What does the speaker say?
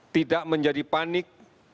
tidak menjadi panik